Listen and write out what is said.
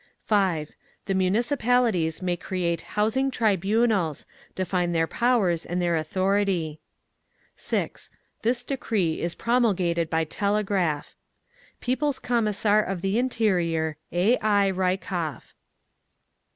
5. The Municipalities may create Housing Tribunals, define their powers and their authority. 6. This decree is promulgated by telegraph. People's Commissar of the Interior, A. I. RYKOV.